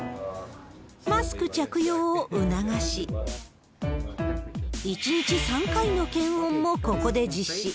マスク着用を促し、１日３回の検温もここで実施。